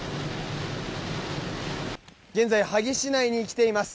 現在、萩市内に来ています。